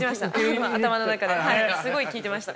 頭の中ではいすごい聞いてました。